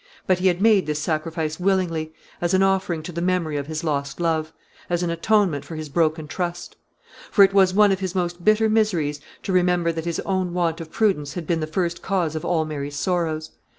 But he had made this sacrifice willingly as an offering to the memory of his lost love; as an atonement for his broken trust. For it was one of his most bitter miseries to remember that his own want of prudence had been the first cause of all Mary's sorrows.